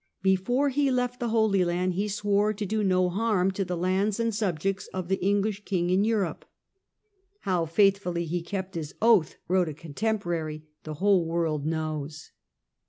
Before he left the Holy Land he swore to do no harm to the lands and subjects of the English king in Europe. " How faithfully 188 THE CENTRAL PERIOD OP THE MIDDLE AGE he kept his oath," wrote a contemporary, " the whole world knows."